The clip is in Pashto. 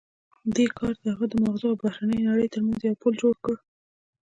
دې کار د هغه د ماغزو او بهرنۍ نړۍ ترمنځ یو پُل جوړ کړ